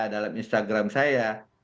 dalam instagram saya